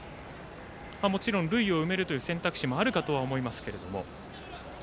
もちろん塁を埋める選択肢もあるかと思いますが。